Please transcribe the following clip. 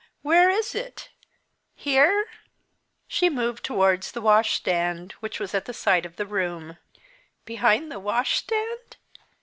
Where is it? Here!" She moved towards the wash hand stand, which was at the side of the room. "Behind the washstand?"